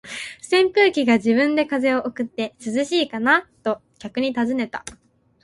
扇風機が自分で風を送って、「涼しいかな？」と客に尋ねた。